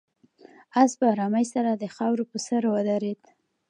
آس په آرامۍ سره د خاورو په سر ودرېد.